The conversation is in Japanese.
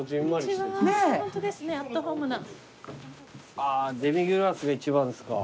あぁデミグラスが一番ですか。